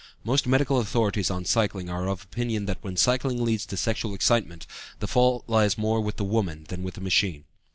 Most medical authorities on cycling are of opinion that when cycling leads to sexual excitement the fault lies more with the woman than with the machine.